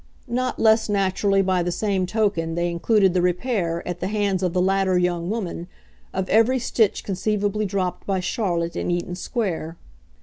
Not less naturally, by the same token, they included the repair, at the hands of the latter young woman, of every stitch conceivably dropped by Charlotte in Eaton Square.